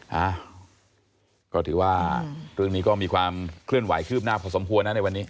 ฮะก็ถือว่าเรื่องนี้ก็มีความเคลื่อนไหวคืบหน้าพอสมควรนะในวันนี้